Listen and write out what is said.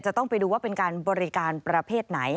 จะต้องไปดูว่าเป็นการบริการประเภทไหน